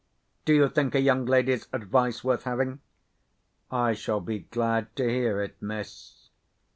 "Do you think a young lady's advice worth having?" "I shall be glad to hear it, miss."